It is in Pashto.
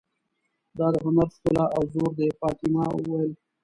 دا د هنر ښکلا او زور دی، فاطمه وویل.